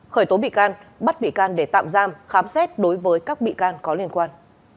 khởi tố bị can bắt bị can để tạm giam khám xét đối với các bị can có liên quan